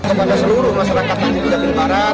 kepada seluruh masyarakat tanjung jabung barat